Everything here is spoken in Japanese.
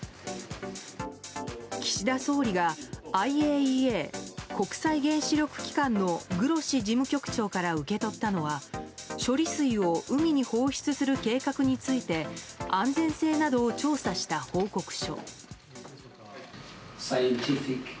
岸田総理がＩＡＥＡ・国際原子力機関のグロッシ事務局長から受け取ったのは処理水を海に放出する計画について安全性などを調査した報告書。